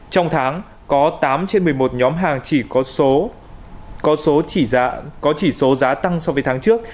trong tháng có tám trên một mươi một nhóm hàng chỉ có số giá tăng so với tháng trước